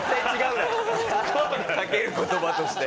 かける言葉として。